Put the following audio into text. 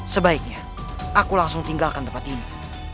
sebaiknya aku langsung tinggalkan tempat ini